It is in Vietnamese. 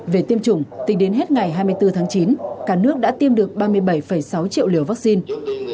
về tiêm chủng tính đến hết ngày hai mươi bốn tháng chín cả nước đã tiêm được ba mươi bảy sáu triệu liều vaccine